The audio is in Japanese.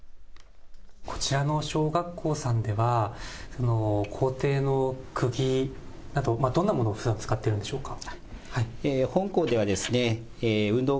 こちらの小学校では校庭のくぎなど、どんなものをふだん使っているんでしょうか。